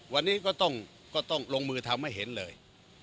วันนี้ก็ต้องลงมือทำให้เห็นเลย